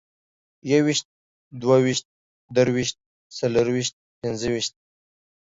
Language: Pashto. يويشت، دوه ويشت، درويشت، څلرويشت، پينځويشت